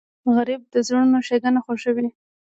غریب د زړونو ښیګڼه خوښوي